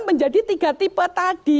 menjadi tiga tipe tadi